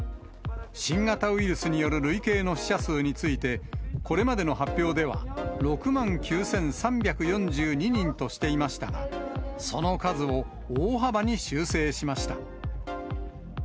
新型ウイルスによる累計の死者数について、これまでの発表では６万９３４２人としていましたが、その数を大幅に修正しました。